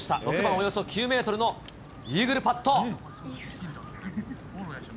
およそ９メートルのイーグルパット。